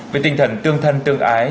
về tình thần tương thân tương ái